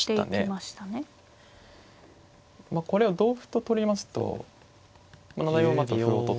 まあこれは同歩と取りますと７四馬と歩を取。